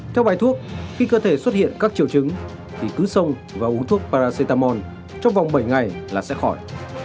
theo bài thuốc khi cơ thể xuất hiện các triệu chứng thì cứ sông và uống thuốc paracetamol trong vòng bảy ngày là sẽ khỏi